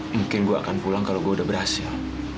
mungkin gua akan pulang kalau gua udah berhasil